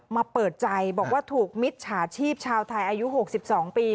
เปิดใจบอกว่าถูกมิจฉาชีพชาวไทยอายุ๖๒ปี